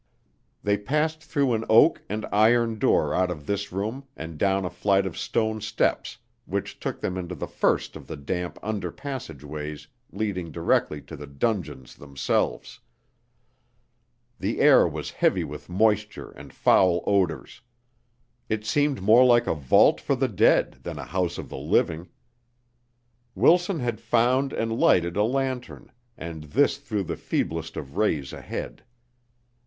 They passed through an oak and iron door out of this room and down a flight of stone steps which took them into the first of the damp under passageways leading directly to the dungeons themselves. The air was heavy with moisture and foul odors. It seemed more like a vault for the dead than a house of the living. Wilson had found and lighted a lantern and this threw the feeblest of rays ahead.